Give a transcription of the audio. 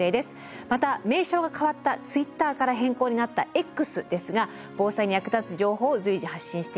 また名称が変わったＴｗｉｔｔｅｒから変更になったＸですが防災に役立つ情報を随時発信しています。